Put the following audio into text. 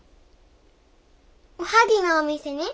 おはぎのお店に？